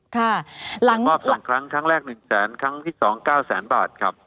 ค่ะหลังมอบสองครั้งครั้งแรกหนึ่งแสนครั้งที่สองเก้าแสนบาทครับ